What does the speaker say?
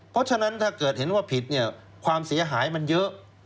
เพราะฉะนั้นถ้าเกิดเห็นว่าผิดเนี่ยความเสียหายมันเยอะ